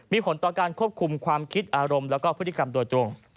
มีผลต่อการควบคุมความคิดอารมณ์แล้วก็พฤติกรรมโดยตรง